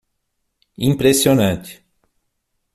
Impressionante